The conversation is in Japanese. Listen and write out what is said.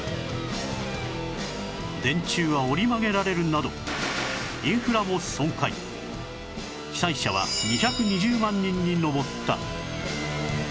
電柱は折り曲げられるなど被災者は２２０万人に上った